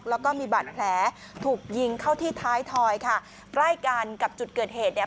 แล้วก็มีบาดแผลถูกยิงเข้าที่ท้ายถอยค่ะใกล้กันกับจุดเกิดเหตุเนี่ย